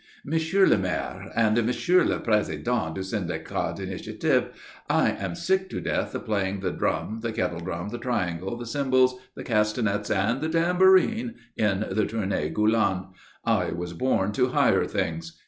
"Monsieur le Maire and Monsieur le Président du Syndicat d'Initiative, I am sick to death of playing the drum, the kettle drum, the triangle, the cymbals, the castagnettes and the tambourine in the Tournée Gulland. I was born to higher things.